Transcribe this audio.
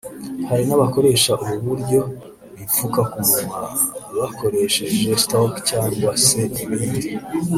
Hari n’abakoresha ubu buryo bipfuka ku munwa bakoresheje skotch cyangwa se ibindi